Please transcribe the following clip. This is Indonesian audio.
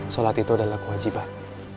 sholat itu adalah kewajiban